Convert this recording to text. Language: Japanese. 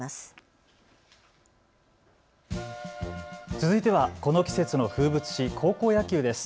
続いてはこの季節の風物詩、高校野球です。